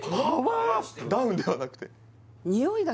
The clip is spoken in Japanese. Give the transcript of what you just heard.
ダウンではなくて？